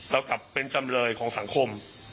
เรากลับเป็นจำเลยของสังคม